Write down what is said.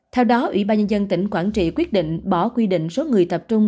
theo đó ủy ban nhân dân tỉnh quảng trị quyết định bỏ quy định số người tập trung